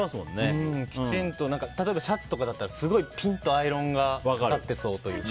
例えばシャツとかだとすごいピンとアイロンがかかってそうというか。